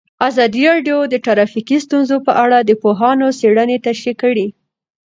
ازادي راډیو د ټرافیکي ستونزې په اړه د پوهانو څېړنې تشریح کړې.